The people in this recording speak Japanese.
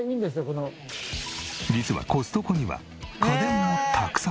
実はコストコには家電もたくさん！